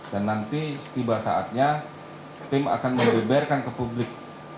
dan nanti tiba saatnya tim akan menyeberkan ke publik